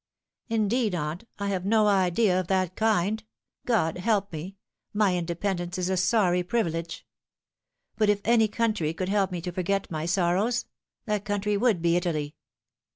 " Indeed, aunt, I have no idea of that kind. God help me 1 my independence is a sorry privilege. But if any country could help me to forget my sorrows, that country would be Italy."